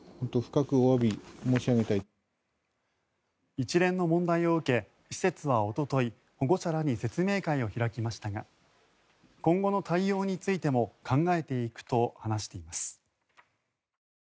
一連の問題を受け施設はおととい保護者らに説明会を開きましたが今後の対応についても考えていくと話しています。